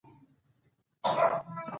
ایا زما شکر ټیټ دی؟